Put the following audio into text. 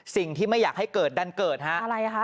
สิ่งที่ไม่อยากให้เกิดดันเกิดฮะอะไรอ่ะคะ